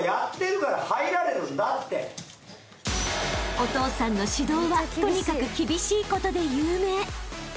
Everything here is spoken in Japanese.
［お父さんの指導はとにかく厳しいことで有名］